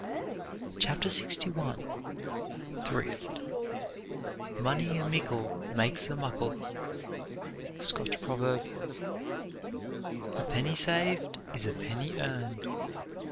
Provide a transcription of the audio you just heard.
CHAPTER LXI THRIFT "Mony a mickle makes a muckle." SCOTCH PROVERB. "A penny saved is a penny earned."